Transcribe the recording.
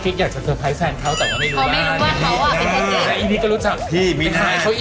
อีพี่ก็รู้เพลงสำหรับที่มีทาน